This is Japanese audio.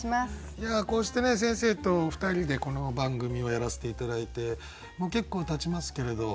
いやこうして先生と２人でこの番組をやらせて頂いてもう結構たちますけれどどうですか？